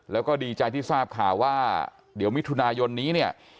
แล้วก็ดีใจที่ทราบข่าวว่าเดี๋ยวมิถุนายนนี้เนี่ย